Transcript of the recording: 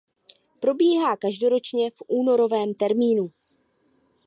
Probíhá každoročně v únorovém termínu.